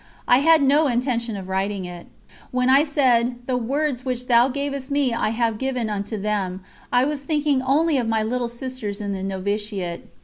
I had no intention of writing it. When I said: "The words which Thou gavest me I have given unto them," I was thinking only of my little sisters in the noviciate.